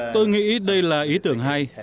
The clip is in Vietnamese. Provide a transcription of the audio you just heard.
tôi nghĩ đây là ý tưởng hay